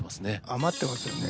余ってますよね。